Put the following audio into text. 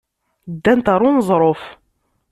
Ddant ɣer uneẓruf.